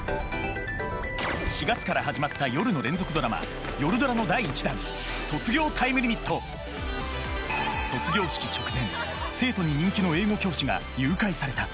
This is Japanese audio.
４月から始まった夜の連続ドラマ「夜ドラ」の第１弾卒業式直前生徒に人気の英語教師が誘拐された。